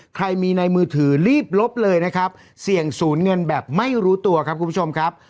ใครมีในมือถือรีบลบเลยนะครับเสี่ยงศูนย์เงินแบบไม่รู้ตัวครับคุณผู้ชมครับ